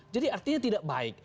jadi artinya tidak baik